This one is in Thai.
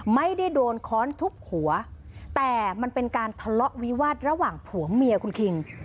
ไม่ได้โดนค้อนทุบหัวแต่มันเป็นการทะเลาะวิวาสระหว่างผัวเมียคุณคิง